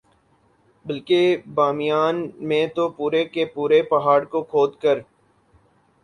بلکہ بامیان میں تو پورے کے پورے پہاڑ کو کھود کر